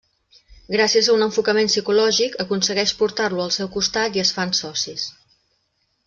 Gràcies a un enfocament psicològic, aconsegueix portar-lo al seu costat i es fan socis.